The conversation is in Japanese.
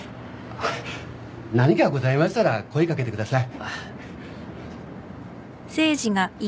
はい何かございましたら声掛けてください。